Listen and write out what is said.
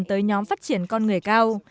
tới nhóm phát triển con người cao